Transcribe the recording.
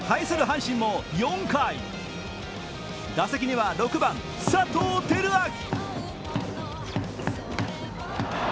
阪神も４回、打席には６番・佐藤輝明。